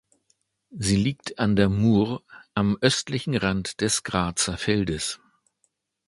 Sie liegt an der Mur am östlichen Rand des Grazer Feldes.